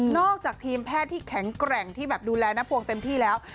จากทีมแพทย์ที่แข็งแกร่งที่แบบดูแลน้าพวงเต็มที่แล้ว